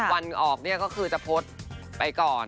วันออกเนี่ยก็คือจะพดไปก่อน